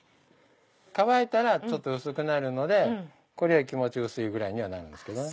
乾いたらちょっと薄くなるのでこれより気持ち薄いぐらいにはなるんですけどね。